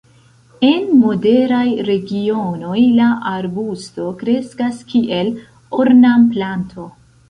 En moderaj regionoj la arbusto kreskas kiel ornamplanto.